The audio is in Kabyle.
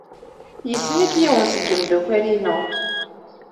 Yessen-ik yiwen seg yimeddukal-inu.